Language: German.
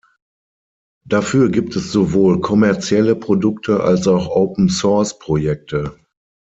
Dafür gibt es sowohl kommerzielle Produkte als auch Open-Source-Projekte.